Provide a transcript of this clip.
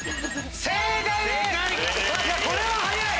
これは早い！